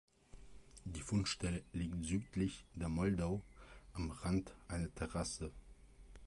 Die Fundstelle liegt südlich der Moldau am Rand einer Terrasse.